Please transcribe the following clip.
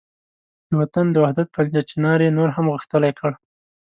د وطن د وحدت پنجه چنار یې نور هم غښتلې کړ.